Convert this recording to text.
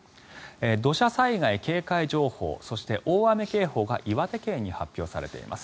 土砂災害警戒情報そして大雨警報が岩手県に発表されています。